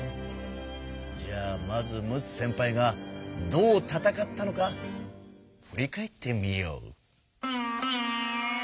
じゃあまず陸奥先輩がどうたたかったのかふり返ってみよう。